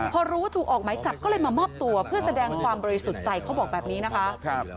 พอรู้ว่าถูกออกหมายจับก็เลยมามอบตัวเพื่อแสดงความบริสุทธิ์ใจเขาบอกแบบนี้นะคะ